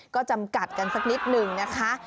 ก็จำกัดกันสักนิดหนึ่งนะคะ